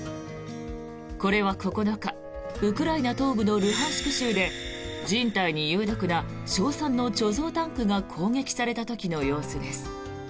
これは９日ウクライナ東部のルハンシク州で人体に有毒な硝酸の貯蔵タンクが攻撃された時の様子です。